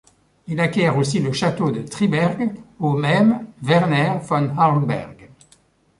Il acquiert aussi le château de Triberg au même Werner von Hornberg.